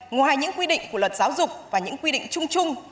ngoài những quy định của luật giáo dục và những quy định chung chung